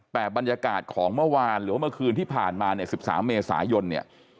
แต่บรรยากาศของเมื่อวานหรือว่าเมื่อคืนที่ผ่านมาเนี่ย๑๓เมษายนเนี่ย